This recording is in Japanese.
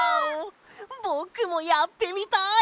ぼくもやってみたい！